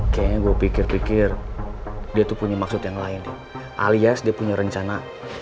kayaknya gue pikir pikir dia tuh punya maksud yang lain alias dia punya rencana